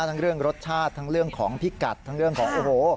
ทั้งเรื่องรสชาติทั้งเรื่องของพิกัดทั้งเรื่องของโอ้โห